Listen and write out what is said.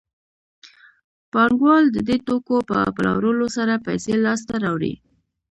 پانګوال د دې توکو په پلورلو سره پیسې لاسته راوړي